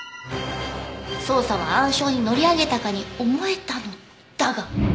捜査は暗礁に乗り上げたかに思えたのだが。